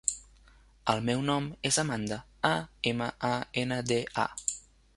El meu nom és Amanda: a, ema, a, ena, de, a.